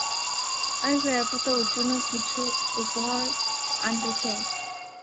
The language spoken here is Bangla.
আমি ফেরার পথে ওর জন্যে কিছু উপহাের আনতে চাই।